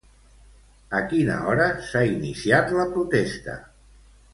A quina hora s'ha iniciat la protesta?